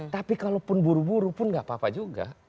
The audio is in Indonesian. tapi kalau pun buru buru pun enggak apa apa juga